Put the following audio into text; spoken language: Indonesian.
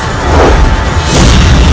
kau baru hablando dengan kayu duit